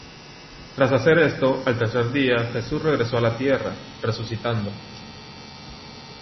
Tras hacer esto, al tercer día, Jesús regresó a la Tierra, resucitando.